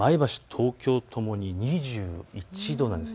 東京ともに２１度なんです。